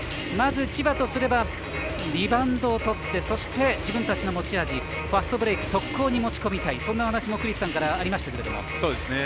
まず千葉とすればリバウンドをとってそして、自分たちの持ち味ファストブレーク速攻に持ち込みたいそんな話もクリスさんからありましたけど。